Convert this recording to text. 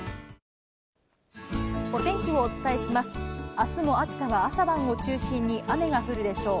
あすも秋田は朝晩を中心に雨が降るでしょう。